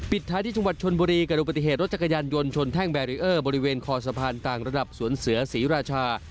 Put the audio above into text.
ท้ายที่จังหวัดชนบุรีเกิดอุบัติเหตุรถจักรยานยนต์ชนแท่งแบรีเออร์บริเวณคอสะพานต่างระดับสวนเสือศรีราชา